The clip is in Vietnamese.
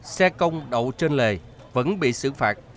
xe công đậu trên lề vẫn bị xử phạt